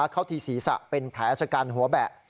เข้าที่ศีรษะเป็นแผลชะกันหัวแบะ